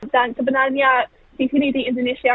dan sebenarnya di sini di indonesia